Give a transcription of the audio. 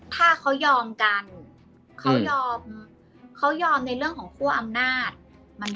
ถ้าเขายอมกันเขายอมในเรื่องของคู่อำนาจมันยก